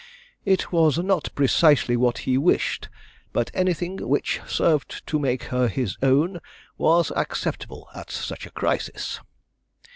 It was not precisely what he wished, but anything which served to make her his own was acceptable at such a crisis.